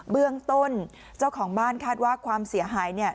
เบื้องต้นเจ้าของบ้านคาดว่าความเสียหายเนี่ย